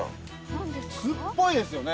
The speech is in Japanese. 巣っぽいですよね。